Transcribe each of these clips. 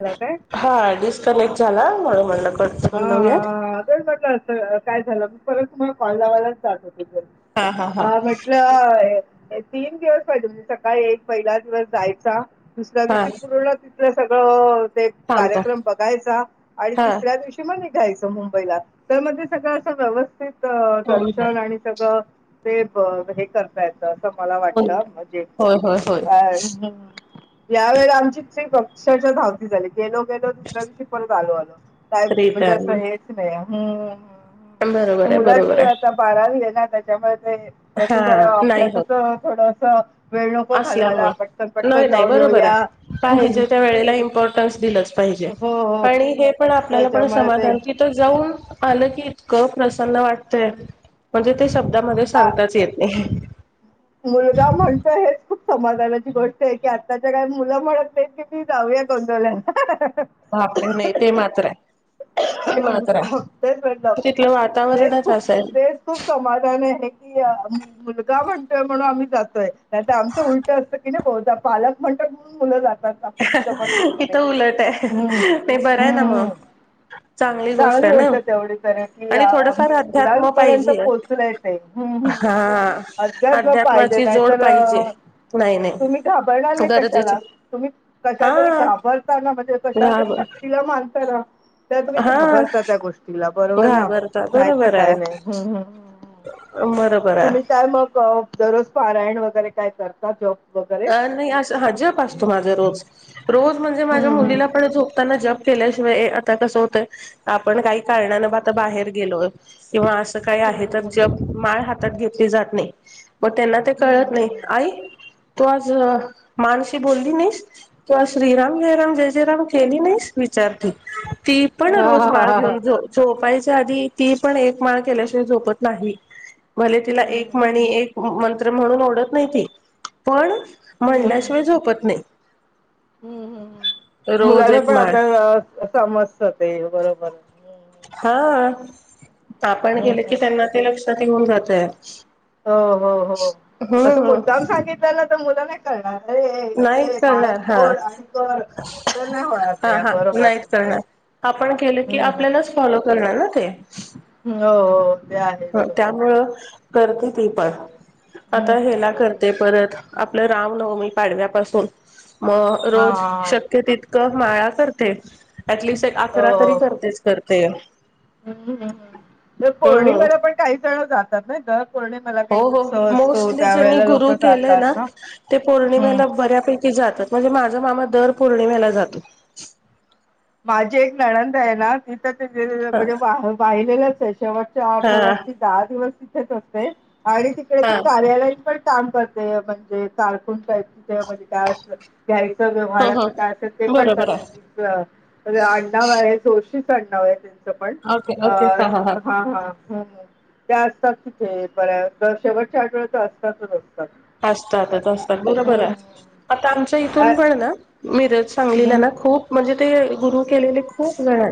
झाला काय हा डिस्कनेक्ट झाला म्हणून म्हणलं कट हा करून लावूयात तेच म्हटलं काय झालं, मी परत तुम्हाला कॉल लावायलाच जात होत. हा म्हटलं तीन दिवस सकाळी एक पहिला दिवस जायचा दुसऱ्या हा दिवशी पूर्ण तिथलं सगळं थांबता कार्यक्रम बघायचा आणि हा तीस म निघायचं मुंबईला त्यामध्ये सगळं असं व्यवस्थित होऊन जात दर्शन आणि सगळं ते हे करतायत. असं मला होऊन वाटत जात म्हणजे होय होय होय या वेला आमची ट्रीप अक्षरच्या धावती झाली गेलो गेलो दुसऱ्या दिवशी परत आलो आलो. का म्हणजे रिटर्न असं हेच नाही बरोबर आहे बरोबर मुलाची आता आहे बारावी आहे ना! त्याच्यामुळे ते [inaudible] त्याच जरा नाही होत अभ्यासाच थोडस वेळ नको घालवायला पटकन असल्यामुळं पटकन नाही नाही जाऊन येऊ बरोबर या. आहे पाहिजे त्या वेळेला इमपॉर्टन्स दिलंच पाहिजे, हो हो आणि हे पण आपल्याला पण त्याच्यामुळे ते समाधान तीत जाऊन आ की इंतक प्रसन्न वाटतय म्हणजे शब्दा मध्ये आ मुलगा म्हणतो हेच खूप समाधानाची गोष्ट आहे की, आताच्या काय मुलं म्हणत नाही की ती जावे. ते गोंधळे हाहाहा. बापरे नाही ते मात्र आहे. ते मात्र आहे तेच म्हटलं तिथलं तेच वातावरणच खूप असं आहे तेच खूप समाधाान आहे की की आ मुलगा म्हण म्हणून आम्ही जातोय नाहीतर आमचं उलट असं की, नाही बहुदा पालक म्हणतात म्हणून मुलं जातात. तात आपली ही जबरदस्ती नाही इथं उलट आहे ह नाही बरं आहे ना हह. मग चांगली गोष्ट आहे, तेवढी तर कि आणि थोडंफार अध्यात्म मुलांपर्यंत पाहिजे पोहोचलाय ते. हम्म हम् हा अ- [unintelligible] पाहिजे अध्यात्माची नाही जोड तर पाहिजे नाही तुम्ही नाही घाबरणार नाही गरजेचे कशाला तम्ही कशा हा तरी घाबरताना म्हणजे कशा तरी घाबर शक्तीला मानताना. त्या तुम्ही हा घाबरता त्या गोष्टीला बरोबर ना घाबरता नाही तर बरोबर आहे काय नाही म्म. बरोबर आहे. हो दररोज पारायण वगैरे काय करतात हो. अ नाही अस हा जप असतो माझा रोज रोज म्हणजे माझ्या हम्म मुलीला प झोपताना जप. केल्याशिवाय ए आता कस होतं, आपण काही कारणान आता बाहेर गेलो. किंवा असं काही आहे, तर हम्म जग माळ हातात घेतली जात नाही. मग त्यांना ते हम्म कळत नाही हम्म आई, तू आज माणस बोलली नाहीस तू आज श्रीराम जयराम जय जयराम केली नाहीस विचार चार ती पण हा रोज हा हा माल हा. घेऊन झो झोपायच्या आधी ती पण एक माळ केल्याशिवाय झोपत नाही भले तिला हम्म एक हम्म मणी एक. मंत्र म्हणून ओढत नाही ती पण म्हणल्याशिवाय झोपत नाही. हम्मम् रोज मुलाला एक पण माळ आता समजत ते बरोबर. हा आ आपण हम्म गेले की, हम्म त्यांना ते लक्षात येऊन जातय. हो हो हो असं हम्म मुद्दाम सांगितलं ना तर मुलं नाही कळणार. अरे हे नाहीत घे बाळ करणार हा फोड आणि कर. तर नाही होणार हा ते हा बरोबर नाहीत करणार. आपण केलं की, हम्म आपल्यालाच हम्म फॉलो करणार ना ते. हो हो. ते ह आहेच हो. त्यामुळं करती ती पण. हम्म आता हेला हम्म करते हम्म परत आपलं रामनवमी पाडव्यापासून, मग हा रोज हा शक्य तितकं माळा करते. ऍटलिस्ट एक हो अकरा तरी हो. करतेच करते हम्म हम्म तर हम्. पौर्णिमेला पण काही जण जातात नाही तर. हो हो मोस्टली ज्यांनी गुरु लोक केलेय जातात ना ते हम्म. पौर्णिमेला बऱ्यापैकी जातात म्हणजे माझा मामा दर पौर्णिमेला जातो. माझी एक नळंद आहे ना ती त्यांचं जे जे हा म्हणजे वा वाहिलेलाच आहे, शेवटच्या हा आठवड्यात दहा दिवस तिथेच असते. आणि तिकडे हा ती कार्यालयीन पण काम करते म्हणजे कारकूण टाईप. म्हणजे काय अस घ्यायचं ह व्यवहाराच काय असेल ते ह पण बरोबर करते आहे ती [unintelligible] आडनाच आहे, जोरशीच आडनाव आहे, त्यांचं पण अ हा हा. त्या असतात तिथे बऱ्या शेवटच्या आठवड्या तर असतातच असतात. असतातच असतात बरोबर हम्म आहे, आता आमच्या हम्म इथून अ- पण ना मिरज. सांगलीलं हम्म ना खूप म्हणजे ते गुरु केलेले खूप जण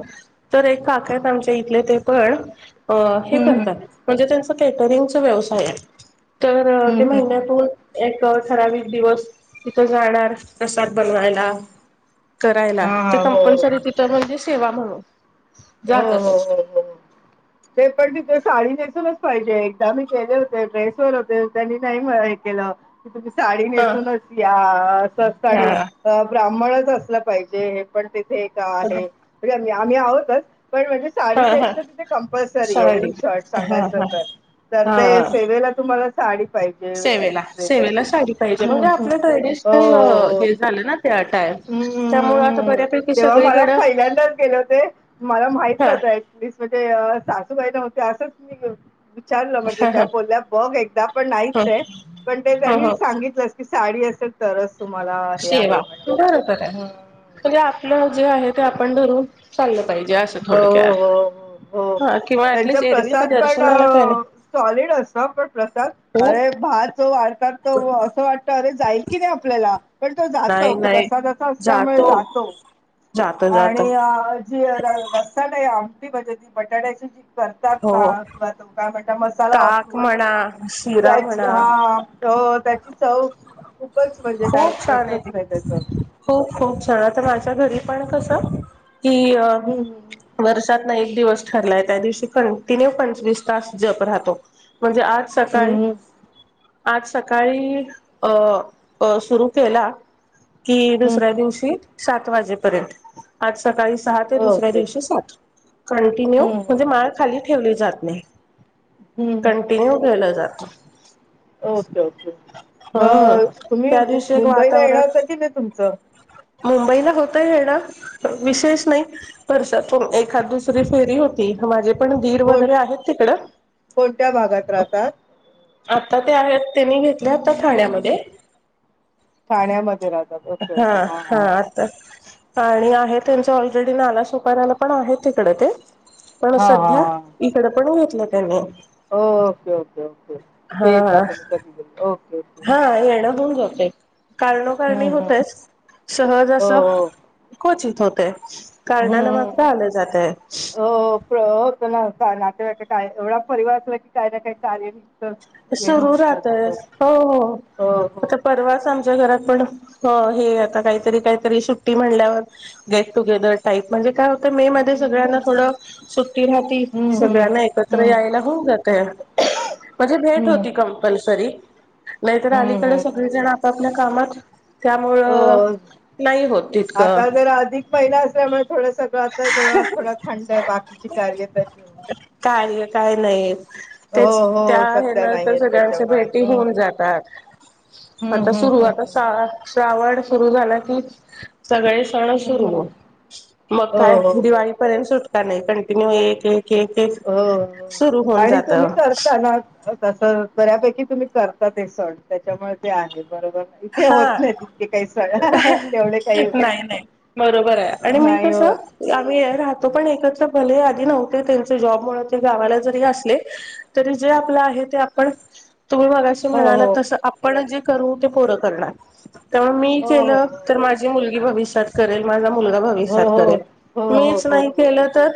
तर एक काक आहेत आमच्या इथले ते पण हे हम्म करतात म्हणजे त्यांच कॅटरिंगचा व्यवसाय आहे, तर ते हम्म हम्म महिन्यात. हम्म एक ठराविक दिवस तिथ जाणार प्रसाद, बनवायला करायला हा हा ते हो कंपल्सरी तिथं म्हणजे सेवा म्हणून. हो हो जातातच हो हो ते पण त त साडी नेसूनच. पाहिजे एकदा केले होते ड्रेस वर होते, त्यांनी नाही मला हे केलं. तुम्ही साडी ह नेसूनच या साडी आणि हा रा आम असलं पाहिजे हे पण तिथे का आहे आम्ही आहोतच पण म्हणजे साडी हा हा नेसण तिथे कंपल्सरी आहे इन साडी शॉर्ट हा सांगायचं हा तर तर ते हा सेवेला तुम्हाला सेवेला पाहिजेस् सेवेला साडी पाहिजे हो म्हणजे हो आपलं ट्रेडिशनल हो हे झालं ना त्या टाईम त्यामुळे आता हम्मममम् बऱ्यापैकी तेव्हा मला सगळीकडं पैल्यांदाच गेले होते मला माहित हा नव्हते टिस्ट म्हणजे सासूबाईला होते असंचे विचारलं म्हंटलं हा हा त्या बोलल्या बघ एकदा पण ह नाहीच आहे पण ते ह त्यांनी ह सांगितलं की साडी असेल तरच तुम्हाला हे आहे सेवा मॅड बरोबर म्हणजे आपलं जे आहे ते आपण धरून चाल हो हो हा किंवा त्यांचा ऍटलिस्ट एरवी तर प्रसाद पण दर्शनाला काय नाही सॉलीड पण प्रसाद हो अरे भा तो वाढतात त असं वाटत अरे जाईल की नाही आपल्याला पण जातो नाही नाही प्रसादाचा असल्यामुळे जातो जातो आणि जातो जी रसाट आहे आमटी म्हणजे ती बटाट्याची जी करतात ना हो किंवा तो काय म्हणतात मसाला ताक वापरून म्हणा शिरा त्याची म्हणा हा हो त्याची चव खूपच म्हणजे काय खूप छान आहे प्रश्नच नाही त्याचा ती खूप खूप छान आता माझ घरी पण कस की हम्म वर्षात एक दिवस ठरलाय त्या दिवशी कंटिन्यू पंचवीस तास जप राहतो म्हणजे आज सकाळी हम्म हम्म आज सकाळी अं सुरू केला की हम्म दुसऱ्या हम्म दिवशी सात वाजेपर्यंत आज सकाळी सहा ते दुसऱ्या ओके दिवशी सात कंटिन्यू हम्म हम्म म्हणजे माळ खाली ठेवली जात हम्म हम्म हम्म कंटिन्यू हम्म केलं जातं ओके ओके म हम्म तुम्ही त्या मी दिवशी एक मुंबईला वातावरण येणारत की नाही तुमचं मुंबईला होतय हेड विशेष नाही पण वर्षातून एखाद दुसरी फेरी होती माझे पण धीर कोण वगैरे आहेत तिकड कोणत्या भागात राहतात आता ते आहेत त्यानी घेतल्या आता ठाण्यामध्ये ठाण्यामध्ये राहतात ओके ओके हा हा आणि आहे त्यांच ऑलरेडी नाला सुपऱ्याला पण आहे तिकडे ते पण हा सध्या हा इकड पण घेतलं त्याने ओके ओके ओके तिथे येत हा तुम्ही ओके ओके कारणो कारणी हं, हं. होतेच सहजं हो, अस हो. क्वचित होते कालणारन हं. मग आलं जातय हो, प्र होत का नातेवाईक काय एवढा परिवार असला की काय ना काय कार्य सुरू राहतय हो हो हो, हो, आता हो. परवाच आमच्या घरात पण हो हे आता काहीतरी काहीतरी सुट्टी म्हणल्यावर गेट टुगेदर टाईप म्हणजे काय मे मध्ये हं, सगळ्यांना हं. थोडं सुट्टी राहती हं, हं. सगळ्यांना एकत्र हं, यायला होऊन जातय ह म्हणजे भेट हं. होती कंपल्सरी नाहीतर हं, अलीकडे हं, हं. सगळेजण आपापल्या कामात त्यामुळं हो. नाही होत तितकं आता जर अधिक महिना असल्यामुळे थोडं सगळं आता थोडा थंड आहे बाकी ्य कार्य काय नाही हो, तेच त्या हो. आहे सध्या न तर नाहीयेत सगळ्यांच्या त्याच्यामुळे. भेटी हं, होऊन हं. जातात हम्म आता सुरु हम्म हम्म आता श्रावण सुरु झाला कि सगळे सण हम्म हम्म सुरू मग हो काय हो हो दिवाळीपर्यंत सुटका नाही कंटिन्यू एक एक एक एक हो सुरू होऊन आणि जात तुम्ही करता ना तस बऱ्यापैकी तुम्ही करता ते सण त्याच्यामुळे ते आहेत हा तेवढे काही नाही नाही बरोबर आहे आणि नाही कस होत आम्ही अ राहतो पण एकञ भले आधी नव्हते त्यांचे जॉब मुळ ते गावाला हम्म. जरी असले तरी जे आपलं आहे ते आपण तुम्ही मगाशी हो म्हणाला हो तस आपण जे करु ते पोर करणार त मी केल हो तर माझी मुल भवीषात करेल माझा मुलगा हो हो भविष्यात हो हो करेल हो हो मीच हो नाही हो केलं तर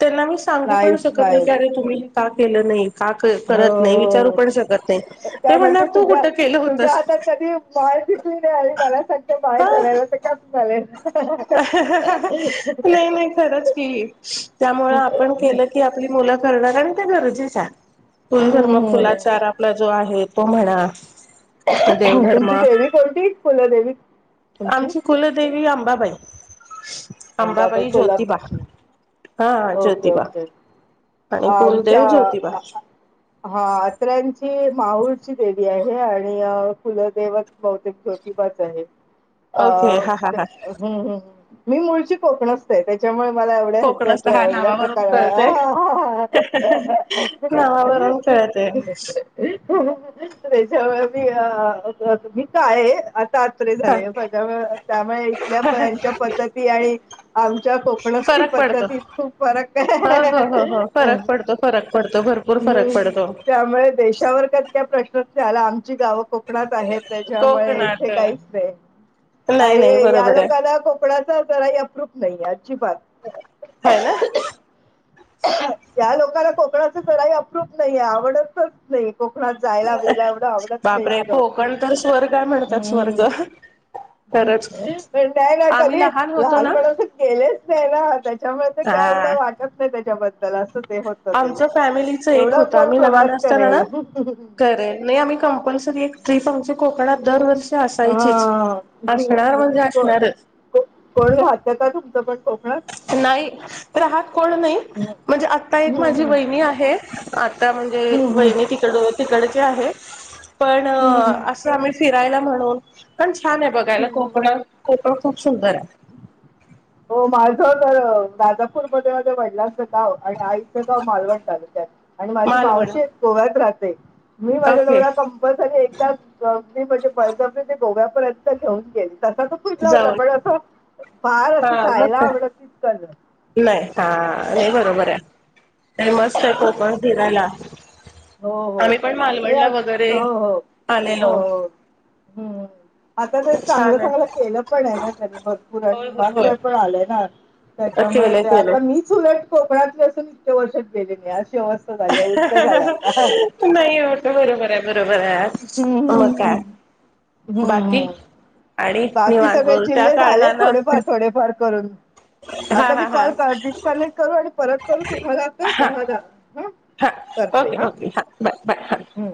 त्यांना मी सांगू पण नाहीच शकत नाही की नाहीच अरे तुम्ही का केलं नाही का क हो करत नाही हो विचारू हो. पण शकत नाही ते त्या म्हणणार तू कुठं केलं होतस माय दिसून नाही आली मला सगत माय हा करायला त कस झालये नाही नाही खरच की त्यामुळ आपण केलं की आपली मु त्या कर नारन आणि ते गरजे हाय कुलधम कुलाचार हम्म आपला जो आहे उप म्हणा म देवघर ती देवी कोणती कुलदेवी तुमची आमची कुलदेवी अंबाबाई अंबाबाई ज्योतिबा हा हा ओके ज्योतिबा ओके आणि आमच्या कुलदेव ज्योतिबा आ आ हा अत्र्यांची माहूरची देवी आहे आणि अ कुलदेवक बहुतेक ज्योतिबाच आहे अ ओके हा हा हा हम्म् मी मुळची कोकणसतये त्याच्यामुळे मला एवढ्या कोकणच हयाच्यातल हा एवढ्या नावावरून कळते प्रकार [inaudible] तेचये त्याच्यामुळे मी मी काय ताञे हा झाले त्यामुळे इथल्याच्य आणि आमच्या कोकण ती फरक पडतो पद्धतीत खूप फरक हो हो हो हो फरक पडतो फरक पडतो भरपूर फरक हम्म पडतो त्यामुळे देशावर काधी काय प्रशनच नाही आला आमची गावं खूप कोकणात आहेत त्याच्यामुळे इथे कोकणात काहीच नाही नाही आणि नाही या बरोबर आहे. लोकांना कोकणाचच तर अप्रूव नाही ये अजी बाात हाय ना या लोकांना कोकणाच जराही अप्रूप नाहीे आवडतच नाही कोकणात जायला बियला एवढं आवडत नाही बापरे इतकं कोकण तर स्वर्ग म्हणतात स्वर्ग हम्म. खरंच पण काये ना आम्ही कधी लहान होतो ना लहानपणापासून केलेच नाही ना त्याच्यामुळे ते काय वाटत नाही त्याच्याबद्दल असं ते होतं ते आमच फॅमिलीच एक एवढं होतं कोण आम्ही लहान प्रवास असताना करेल ना करे नाही आम्ही कंपल्सरी एक ट्रीप आमची कोकणात दरवर्षि असायचीच हा. असणार हम्म. म्हणजे को- असणारच ह [inaudible] नाही राहात कोण नाही म्हणजे आता एक माझी हम्म. वहिणी आहे आता हम्म. म्हणजे हम्म. वहीनी तिच्या जवळ तीकड हे आहे पण हम्म. अस आम्ही फिरायला म्हणून पण छान हे बघायला कोकण हम्म. कोकण खूप सुंदर रे माझं ज तर राजापूरमध्येध्ये माझ वडिलांचं गाव आणि आईचं गाव मालवण तालुक्यात आणि माझी मालवण मावशी एक गोव्यात राहते मी माझ्या ओके डोळ्या कंपलसरी एकदाछ कंकी म्हणजे प गोव्यापर्यंत घेऊन गेले तसा त फुटला होता जाऊन पण असं फार हा असं मग जायला काय आवडत [inaudible] नाही हा नाही बरोबर आहे ते मस्त आहे कोकण फिरायला हो हो आम्ही पण ते मालवणला आत वगैरे हो हो हो आलेलो हो हम् आता ते चांगलं छान चांगलं आहे केलं पण आहे ना त्यांनी भरपूर आणि होय होय विमानतळ पण होय आलंय ना त्याच्यामुळे केलंय ते केलंय आता मीच उलट कोकणातली असून इतके वर्षात गेले नाही अशी अवस्था [inaudible] उलट झाल्यात नाही होत बरोबर आहे बरोबर आहे हम्म्म मग काय हम्म बाकी हम्म आणि बाकी निवांत सगळे बोल त्या जिल्हे झालेत कारणानं थोडेफार थोडेफार करून, हा आता मी हा हा कॉल कर डिस्कनेक्ट करू आणि परत करू हा तुम्हालाहा ह हा ओके ओके हा बाय बाय हम्म